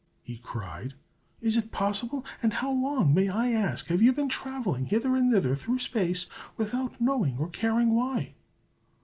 he cried. "Is it possible? And how long, may I ask, have you been travelling hither and thither through space, without knowing or caring why?"